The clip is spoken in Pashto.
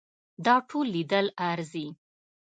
دا ټول لیدل ارزي.